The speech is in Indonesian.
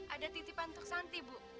ada titipan untuk santi bu